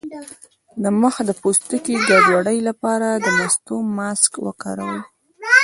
د مخ د پوستکي د ګډوډۍ لپاره د مستو ماسک وکاروئ